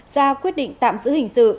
ra quyết định tạm giữ hình sự